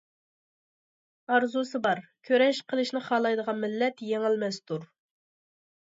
ئارزۇسى بار، كۈرەش قىلىشنى خالايدىغان مىللەت يېڭىلمەستۇر.